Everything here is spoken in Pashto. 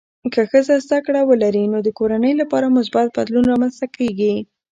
که ښځه زده کړه ولري، نو د کورنۍ لپاره مثبت بدلون رامنځته کېږي.